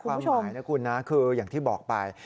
ความหมายนะคุณนะคืออย่างที่บอกไป